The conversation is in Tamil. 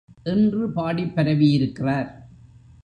என்று பாடிப் பரவியிருக்கிறார்.